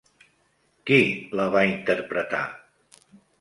Qui la va interpretar?